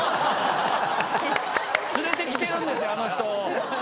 連れて来てるんですよあの人を。